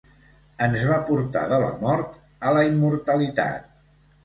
Ens va portar de la mort a la immortalitat.